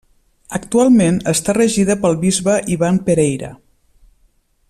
Actualment està regida pel bisbe Ivan Pereira.